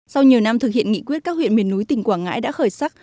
sau nhiều năm thực hiện nghị quyết các huyện miền núi tỉnh quảng ngãi đã khởi sắc